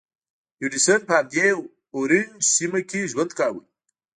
ایډېسن په همدې اورنج سیمه کې ژوند کاوه.